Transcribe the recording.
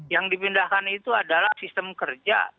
yang dipindahkan itu adalah sistem kerja